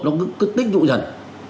nó cứ tích tụ dần